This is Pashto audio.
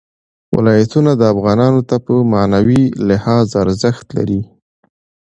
ولایتونه افغانانو ته په معنوي لحاظ ارزښت لري.